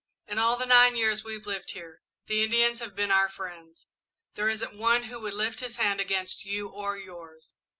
In all the nine years we've lived here, the Indians have been our friends. There isn't one who would lift his hand against you or yours."